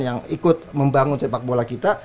yang ikut membangun sepak bola kita